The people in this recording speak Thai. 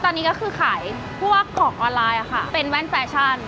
ตอนนี้ก็คือขายพวกของออนไลน์ค่ะเป็นแว่นแฟชั่น